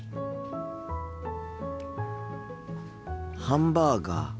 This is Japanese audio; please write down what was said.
ハンバーガー。